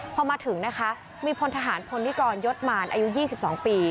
พอมาถึงนะคะมีพลทหารพลนิกรยศมารอายุ๒๒ปี